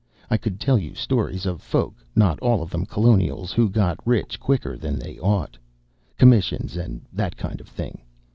I could tell you stories of folk, not all of them Colonials, who got rich quicker than they ought, commissions and that kind of thing.